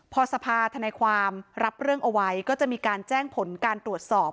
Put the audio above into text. พอสภาธนายความรับเรื่องเอาไว้ก็จะมีการแจ้งผลการตรวจสอบ